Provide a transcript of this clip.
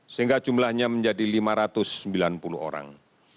sehingga jumlahnya menjadi lima ratus sembilan puluh orang